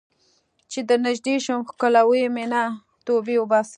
چې درنږدې شم ښکلوې مې نه ، توبې وباسې